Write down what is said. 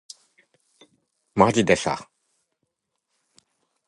まじでさ